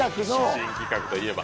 新企画といえば。